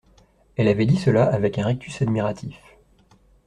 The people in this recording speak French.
Elle avait dit cela avec un rictus admiratif.